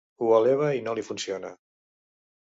Ho eleva i no li funciona.